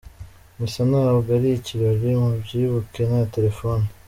Misa ntabwo ari ikirori, mubyibuke, nta telefoni.